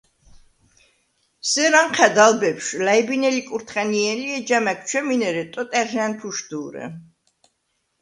სერ ანჴა̈დ ალ ბეფშვ, ლა̈იბინე ლიკურთხა̈ნიე̄ლ ი ეჯამა̈გ ჩვემინ, ერე ტოტა̈რ ჟ’ა̈ნფუშდუ̄რე.